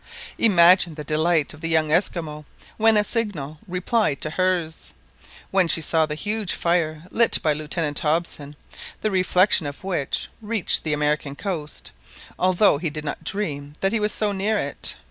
Imagine the delight and excitement of the young Esquimaux when a signal replied to hers, when she saw the huge fire lit by Lieutenant Hobson, the reflection of which reached the American coast, although he did not dream that he was so near it.